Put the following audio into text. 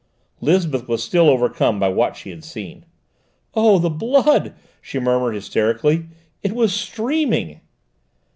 Lisbeth was still overcome by what she had seen. "Oh, the blood!" she muttered hysterically; "it was streaming!"